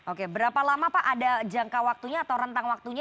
oke berapa lama pak ada jangka waktunya atau rentang waktunya